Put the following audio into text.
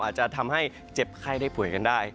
อาจจะทำให้เจ็บไข้ได้ป่วยกันได้